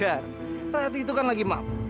edgar ratu itu kan lagi mampu